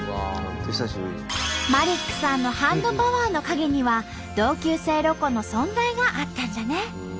マリックさんのハンドパワーの陰には同級生ロコの存在があったんじゃね！